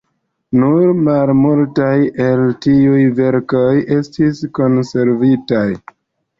Nur malmultaj el tiuj verkoj estis konservitaj.